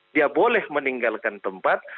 dia boleh meninggalkan tempat